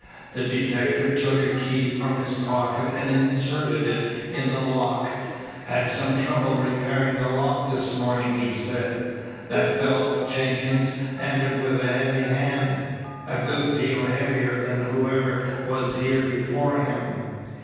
The detective took a key from his pocket and inserted it in the lock. "Had some trouble repairing the lock this morning," he said. "That fellow, Jenkins, entered with a heavy hand a good deal heavier than whoever was here before him."